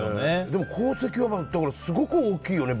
でも功績はすごく大きいよね。